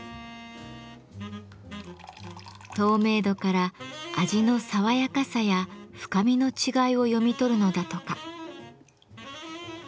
透明度から味の爽やかさや深みの違いを読み取るのだとか。